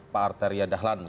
pak artaria dahlan